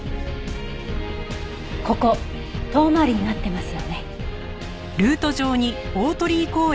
ここ遠回りになってますよね。